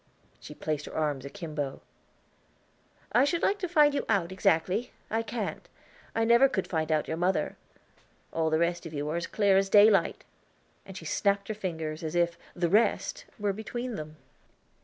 She placed her arms akimbo. "I should like to find you out, exactly. I can't. I never could find out your mother; all the rest of you are as clear as daylight." And she snapped her fingers as if 'the rest' were between them.